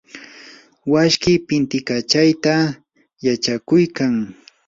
washkii pintikachayta yachakuykan.